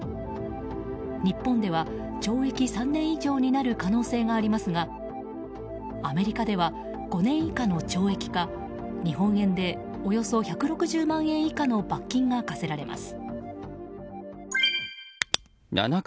日本では懲役３年以上になる可能性がありますがアメリカでは５年以下の懲役か日本円でおよそ１６０万円以下の罰金が科せられます。